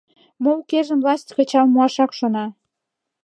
Мо укежым власть кычал муашак шона.